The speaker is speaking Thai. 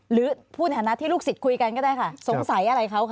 หรือพูดในฐานะที่ลูกศิษย์คุยกันก็ได้ค่ะสงสัยอะไรเขาคะ